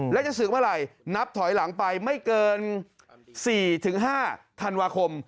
แล้วจะศึกเมื่อไหร่นับถอยหลังไปไม่เกิน๔๕ธันวาคม